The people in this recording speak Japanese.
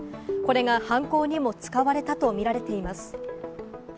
これが犯行にも使われたとみられています。